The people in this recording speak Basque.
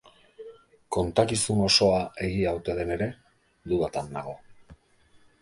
Kontakizun osoa egia ote den ere, dudatan dago.